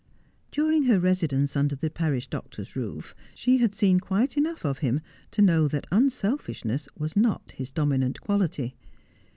During her residence under the parish doctor's roof she had seen quite enough of him to know that unselfishness was not his dominant quality.